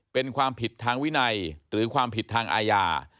เป็นความผิดทางวินัยหรือความผิดทางอาญา